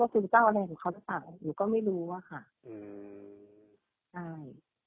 ว่าคือเจ้าอะไรของเขาหรือเปล่าหนูก็ไม่รู้ว่าค่ะอืมใช่